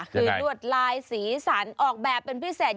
คือลวดลายสีสันออกแบบเป็นพิเศษ